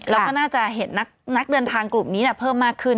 แล้วก็น่าจะเห็นนักเดินทางกลุ่มนี้เพิ่มมากขึ้น